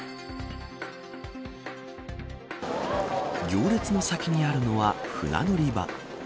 行列の先にあるのは船乗り場。